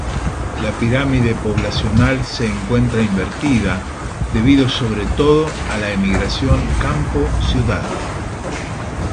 La pirámide poblacional se encuentra invertida debido, sobre todo, a la emigración campo-ciudad.